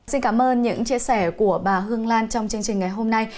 xin cảm ơn những chia sẻ của bà hương lan trong chương trình ngày hôm nay